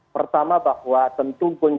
pertama bahwa tentu pun janggal